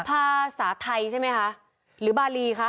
ภาษาไทยใช่ไหมคะหรือบารีคะ